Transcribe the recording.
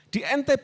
di ntb juga sama